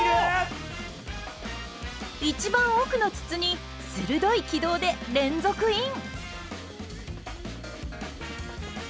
一番奥の筒に鋭い軌道で連続イン！